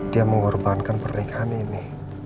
dia mengorbankan pernikahan ini